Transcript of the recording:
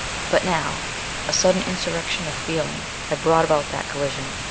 But now a sudden insurrection of feeling had brought about that collision.